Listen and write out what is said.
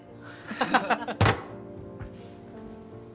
ハハハハ。